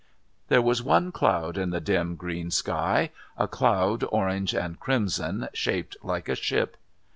There was only one cloud in the dim green sky, a cloud orange and crimson, shaped like a ship.